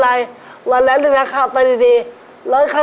ไปกันแล้วก็กลางถนนเลยเหรอ